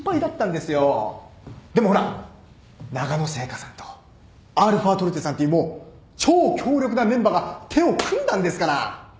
でもほらながの製菓さんとαトルテさんっていうもう超強力なメンバーが手を組んだんですから。